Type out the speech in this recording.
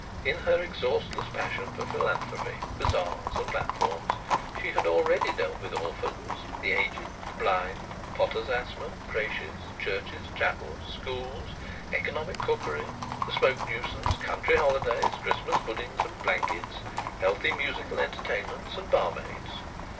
In her exhaustless passion for philanthropy, bazaars, and platforms, she had already dealt with orphans, the aged, the blind, potter's asthma, crèches, churches, chapels, schools, economic cookery, the smoke nuisance, country holidays, Christmas puddings and blankets, healthy musical entertainments, and barmaids.